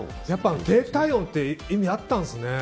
低体温って意味あったんですね。